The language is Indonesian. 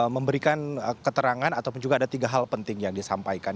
memberikan keterangan ataupun juga ada tiga hal penting yang disampaikan